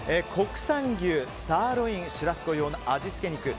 国産牛サーロインシュラスコ用の味付け肉。